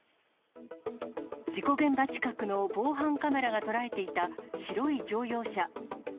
事故現場近くの防犯カメラが捉えていた白い乗用車。